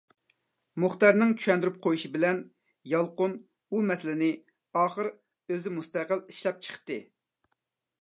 مۇختەرنىڭ چۈشەندۈرۈپ قويۇشى بىلەن يالقۇن ئۇ مەسىلىنى ئاخىر ئۆزى مۇستەقىل ئىشلەپ چىقتى.